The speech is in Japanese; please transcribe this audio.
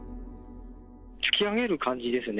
突き上げる感じですね。